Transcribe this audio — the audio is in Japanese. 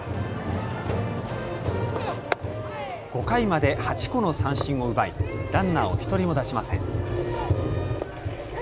５回まで８個の三振を奪いランナーを１人も出しません。